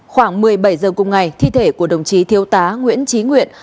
khoảng một mươi bảy h cùng ngày thi thể của đồng chí thiếu tá nguyễn trí nguyện